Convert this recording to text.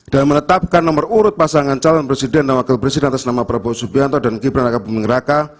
dan menetapkan nomor urut pasangan calon presiden dan wakil presiden atas nama prabowo subianto dan gibran raka buming raka